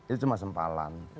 itu cuma sempalan